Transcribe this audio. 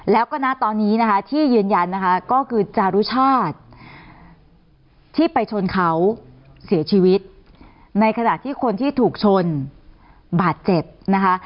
แล้วก็ณตอนนี้นะคะที่ยืนยันนะคะก็คือจารุชาติที่ไปชนเขาเสียชีวิตในขณะที่คนที่ถูกชนบาดเจ็บนะคะ